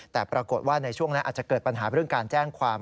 แต่ปรากฏว่าในช่วงนั้นอาจจะเกิดปัญหาเรื่องการแจ้งความ